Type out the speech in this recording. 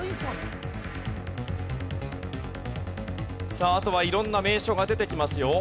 さああとは色んな名所が出てきますよ。